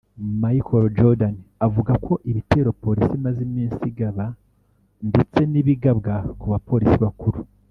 Michael Jordan avuga ko ibitero polisi imaze iminsi igaba ndetse n’ibigabwa ku bapolisi bakuru